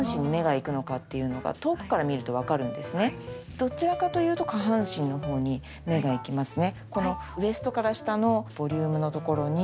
どちらかというと下半身のほうに目がいきますね。